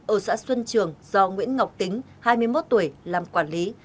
ở xã xuân trường do nguyễn ngọc tính hai mươi một tuổi làm quản lý